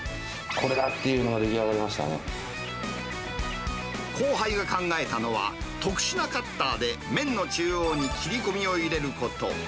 これだっていうのが出来上が後輩が考えたのは、特殊なカッターで麺の中央に切り込みを入れること。